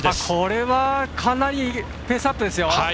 これはかなりペースアップですよ。